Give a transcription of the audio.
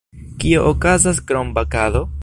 Kio okazas krom bakado?